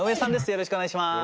よろしくお願いします。